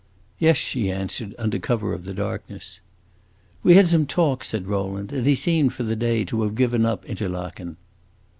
"Yes," she answered, under cover of the darkness. "We had some talk," said Rowland, "and he seemed, for the day, to have given up Interlaken."